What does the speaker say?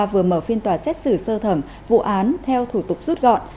vừa mở phiên tòa xét xử sơ thẩm vụ án theo thủ tục rút gọn